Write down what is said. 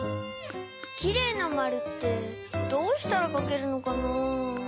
きれいなまるってどうしたらかけるのかなぁ。